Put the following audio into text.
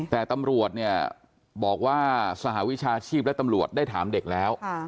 แต่ตำรวจเนี่ยบอกว่าสหวิชาชีพและตำรวจได้ถามเด็กแล้ว